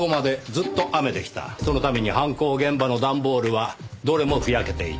そのために犯行現場の段ボールはどれもふやけていた。